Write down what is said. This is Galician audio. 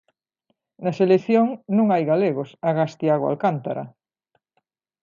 Na selección non hai galegos, agás Tiago Alcántara.